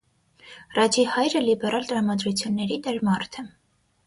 Ռաջի հայրը լիբերալ տրամադրությունների տեր մարդ է։